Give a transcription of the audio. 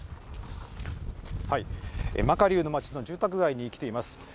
マカリウの町の住宅街に来ています。